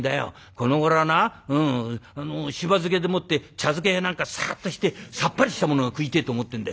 このごろはなしば漬けでもって茶漬けや何かサっとしてさっぱりしたものが食いてえと思ってんだ。